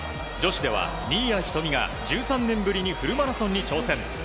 女子では新谷仁美が１３年ぶりにフルマラソンに挑戦。